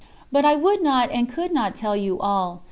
But I would not and I could not tell you all.